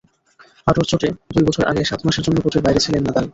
হাঁটুর চোটে দুই বছর আগে সাত মাসের জন্য কোর্টের বাইরে ছিলেন নাদাল।